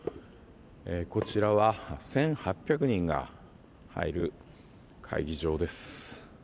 こちらは１８００人が入る会議場です。